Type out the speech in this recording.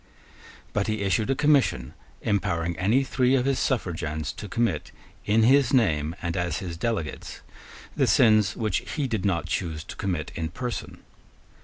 But he issued a commission empowering any three of his suffragans to commit, in his name, and as his delegates, the sins which he did not choose to commit in person.